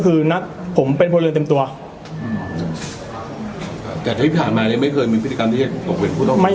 ก็คือนัดผมเป็นผู้เรียนเต็มตัวอืมแต่ที่ผ่านมาเลยไม่เคยมีพิธีกรรมที่จะตกเป็นผู้ตกประสานเลยใช่ไหม